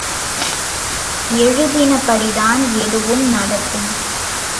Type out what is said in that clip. எழுதினபடிதான் எதுவும் நடக்கும்!